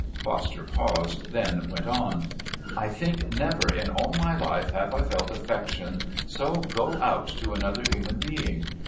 Foster paused, then went on. "I think never in all my life have I felt affection so go out to another human being.